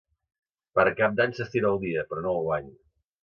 Per Cap d'Any s'estira el dia, però no el guany.